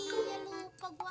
iya lupa gua